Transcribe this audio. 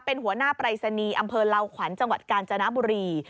เป็นหัวหน้าปรายศนีย์อำเภอลาวขวัญจังหวัดกาญจนบุรี